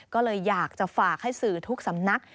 ก็เลยอยากจะฝากให้สื่อทุกสำนัก